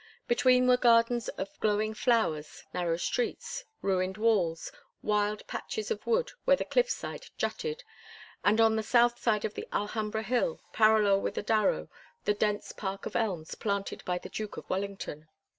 Between were gardens of glowing flowers, narrow streets, ruined walls, wild patches of wood where the cliff side jutted; and on the south side of the Alhambra hill, parallel with the Darro, the dense park of elms planted by the Duke of Wellington.